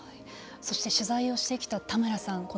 そして取材をしてきた田村さん